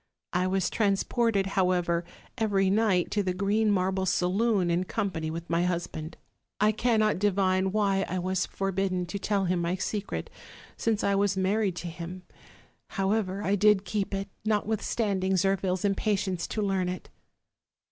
I was transported, however, every night to the green marble galoon, in company with mv husband. I cannot divine 310 OLD, OLD FAIRY TALES. why I was forbidden to tell him my secret, since I was married to him; however, I did keep it, notwithstanding ZirphiPs impatience to learn it.